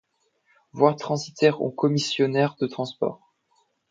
Voir transitaire ou commissionnaire de transport.